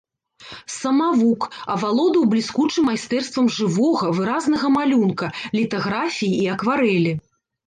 Самавук, авалодаў бліскучым майстэрствам жывога, выразнага малюнка, літаграфіі і акварэлі.